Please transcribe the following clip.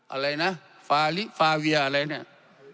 อะไรนะฟาวียอะไรเนี่ย